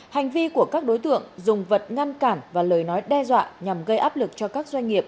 hành vi của các đối tượng dùng vật ngăn cản và lời nói đe dọa nhằm gây áp lực cho các doanh nghiệp